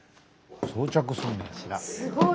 すごい！